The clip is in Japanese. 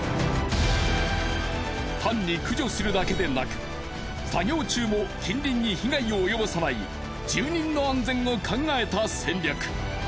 単に駆除するだけでなく作業中も近隣に被害を及ぼさない住人の安全を考えた戦略。